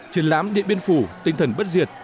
triển lãm điện biên phủ tinh thần bất diệt